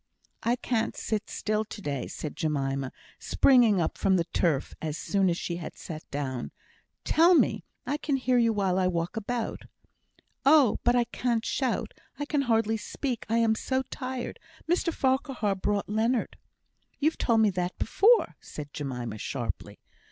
"I can't sit still to day," said Jemima, springing up from the turf as soon as she had sat down. "Tell me! I can hear you while I walk about." "Oh! but I can't shout; I can hardly speak I am so tired. Mr Farquhar brought Leonard " "You've told me that before," said Jemima, sharply.